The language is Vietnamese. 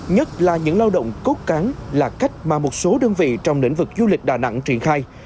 nhất là những lao động cốt cán là cách mà một số đơn vị trong lĩnh vực du lịch đà nẵng triển khai